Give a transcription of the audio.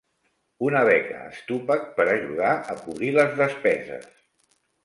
Una beca Stupak per ajudar a cobrir les despeses.